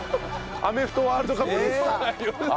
アメフトワールドカップ日本代表。